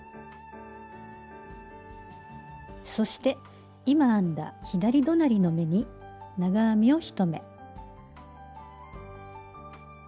そして今編んだ左隣の目に長編みを１目。